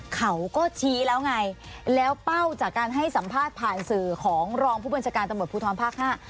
เขาก็ชี้แล้วไงแล้วเป้าจากการให้สัมภาษณ์ผ่านสื่อของรองผู้บัญชาการตำรวจภูทรภาคห้า